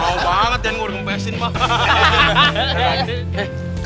kau banget ian gue udah kempesin pak